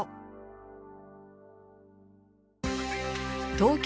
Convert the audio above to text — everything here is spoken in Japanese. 東京